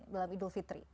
dalam idul fitri